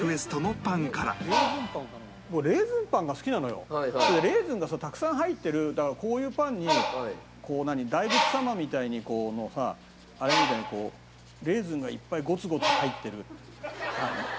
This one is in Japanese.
というわけでまずはレーズンがさたくさん入ってるこういうパンにこう大仏様みたいにこのさあれみたいにレーズンがいっぱいゴツゴツ入ってるパン。